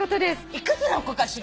幾つの子かしら？